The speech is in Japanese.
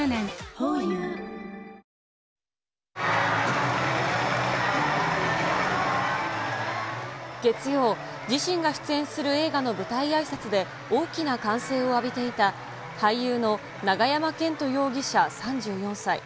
ホーユー月曜、自身が出演する映画の舞台あいさつで、大きな歓声を浴びていた、俳優の永山絢斗容疑者３４歳。